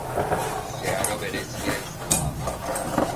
Zeharo berezia izan da.